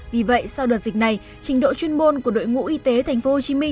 vì vậy sau đợt dịch này trình độ chuyên môn của đội ngũ y tế tp hcm